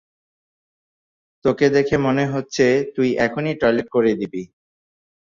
তোকে দেখে মনে হচ্ছে তুই এখনি টয়লেট করে দিবি।